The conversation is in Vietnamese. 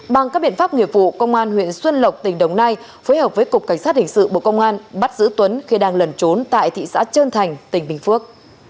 bằng các biện pháp nghiệp vụ công an huyện xuân lộc tỉnh đồng nai phối hợp với cục cảnh sát hình sự bộ công an bắt giữ tuấn khi đang lẩn trốn tại thị xã trơn thành tỉnh bình phước